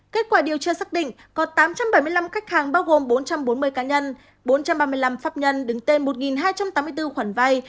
kết quả điều tra xác định có tám trăm bảy mươi năm khách hàng bao gồm bốn trăm bốn mươi cá nhân bốn trăm ba mươi năm pháp nhân đứng tên một hai trăm tám mươi bốn khoản vay